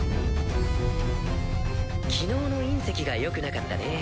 昨日の隕石がよくなかったね。